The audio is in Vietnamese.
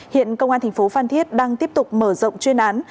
hiện công an thành phố phan thiết đang tiếp tục mở rộng chuyên án